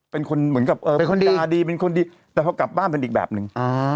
เป็นคนเหมือนกับเป็นคนตาดีเป็นคนดีแต่พอกลับบ้านเป็นอีกแบบนึง